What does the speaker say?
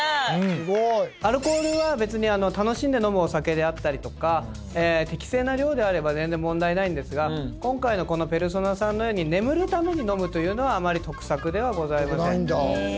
アルコールは別に楽しんで飲むお酒であったり適正な量であれば全然問題ないんですが今回のこのペルソナさんのように眠るために飲むというのはあまり得策ではございません。